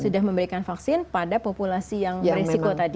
sudah memberikan vaksin pada populasi yang beresiko tadi